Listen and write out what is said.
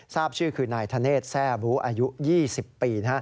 ทราบชื่อคือนายธเนธแซ่บูอายุ๒๐ปี